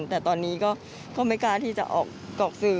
แต่ตอนนี้ก็ไม่กล้าที่จะออกสื่อ